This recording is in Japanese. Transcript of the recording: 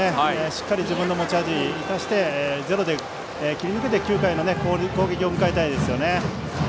しっかり自分の持ち味を生かしてゼロで切り抜けて９回の攻撃を迎えたいですね。